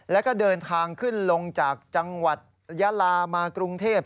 แล้วก็เดินทางขึ้นลงจากจังหวัดยาลามากรุงเทพ